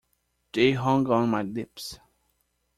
They hung on my lips.